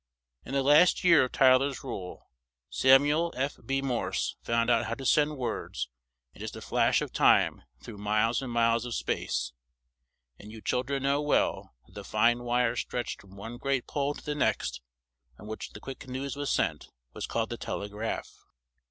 In the last year of Ty ler's rule Sam u el F. B. Morse found out how to send words in just a flash of time through miles and miles of space; and you chil dren know well that the fine wire stretched from one great pole to the next on which the quick news was sent was called the "tel e graph."